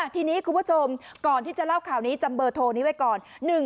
ทีนี้คุณผู้ชมก่อนที่จะเล่าข่าวนี้จำเบอร์โทรนี้ไว้ก่อน